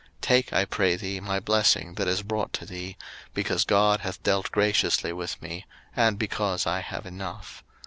01:033:011 Take, I pray thee, my blessing that is brought to thee; because God hath dealt graciously with me, and because I have enough.